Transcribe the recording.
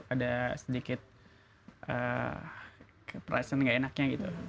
ada sedikit perasaan gak enaknya gitu